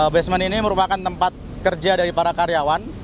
basement ini merupakan tempat kerja dari para karyawan